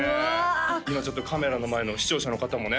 今ちょっとカメラの前の視聴者の方もね